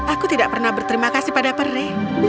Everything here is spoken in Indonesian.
aku tidak pernah berterima kasih pada peri